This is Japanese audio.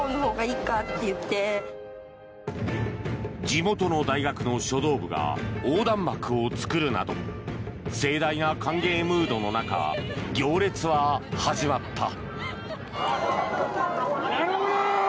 地元の大学の書道部が横断幕を作るなど盛大な歓迎ムードの中行列は始まった。